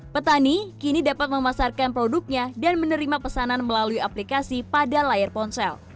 petani kini dapat memasarkan produknya dan menerima pesanan melalui aplikasi pada layar ponsel